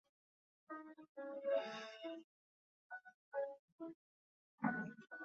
事件揭发后对香港社会造成轩然大波。